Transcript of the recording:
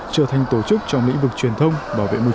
trở thành tổ chức trong lĩnh vực truyền thông bảo vệ môi trường